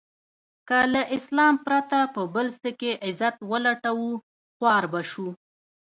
که له اسلام پرته په بل څه کې عزت و لټوو خوار به شو.